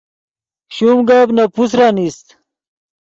شوم گپ نے پوسرن ایست